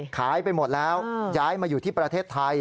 ไปหมดแล้วย้ายมาอยู่ที่ประเทศไทย